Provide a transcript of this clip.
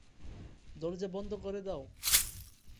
দরজা বন্ধ করে দাও।